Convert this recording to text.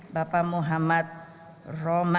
bapak muhammad roma hurman